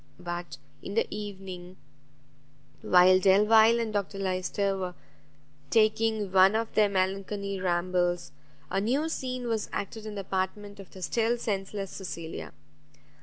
But, in the evening, while Delvile and Dr Lyster were taking one of their melancholy rambles, a new scene was acted in the apartment of the still senseless Cecilia.